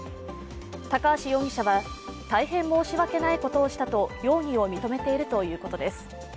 高橋容疑者は、大変申し訳ないことをしたと容疑を認めているということです。